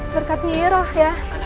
berkatnya iroh ya